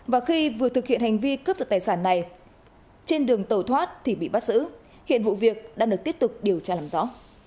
và khi vừa thực hiện hành vi cướp giật tài sản này trên đường tàu thoát thì bị bắt giữ hiện vụ việc đang được tiếp tục điều tra làm rõ